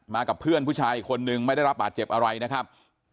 กับเพื่อนผู้ชายอีกคนนึงไม่ได้รับบาดเจ็บอะไรนะครับ